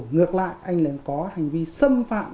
ngược lại anh nên có hành vi xâm phạm